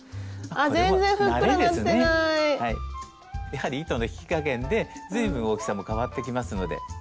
やはり糸の引き加減で随分大きさもかわってきますので。